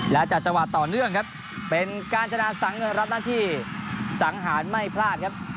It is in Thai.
และจากจังหวะต่อเนื่องครับเป็นการจนาสังเงินรับหน้าที่สังหารไม่พลาดครับ